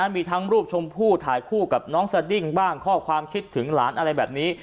มีทั้งรูปชมพู่ถ่ายคู่กับน้องสดิ้งบ้างข้อความคิดถึงหลานอะไรแบบนี้